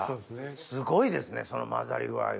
すごいですねその混ざり具合が。